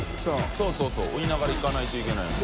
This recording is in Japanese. そうそうそう追いながら行かないといけないのに。